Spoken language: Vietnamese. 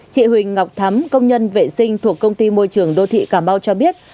chị huỳnh ngọc thắm công nhân vệ sinh thuộc công ty môi trường đô thị cà mau cho biết